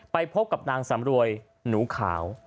ไปพบกับนางสำรวยหนูขาว